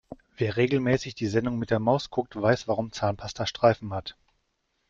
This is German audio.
Wer regelmäßig die Sendung mit der Maus guckt, weiß warum Zahnpasta Streifen hat.